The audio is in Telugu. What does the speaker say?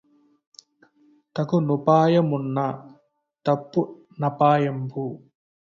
తగు నుపాయమున్న తప్పు నపాయంబు